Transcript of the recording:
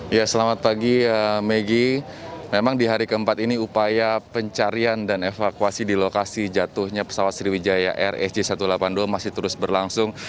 ya selamat pagi maggie memang di hari keempat ini upaya pencarian dan evakuasi di lokasi jatuhnya pesawat sriwijaya rsj satu ratus delapan puluh dua masih terus berlangsung